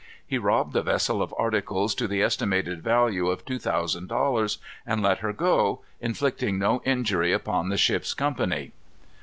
He robbed the vessel of articles to the estimated value of two thousand dollars, and let her go, inflicting no injury upon the ship's company.